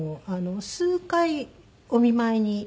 数回お見舞いに行って。